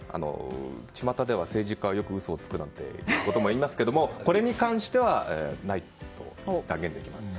巷では、政治家はよく嘘をつくなんて言いますがこれに関してはないと断言できます。